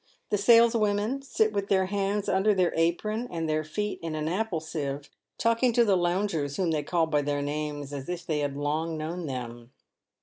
The saleswomen sit with their hands under their apron and their feet in an apple sieve, talking to the loungers, whom they call by their names as if they had long known, them.